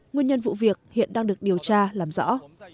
nguyên nhân vụ việc hiện đang được điều tra làm rõ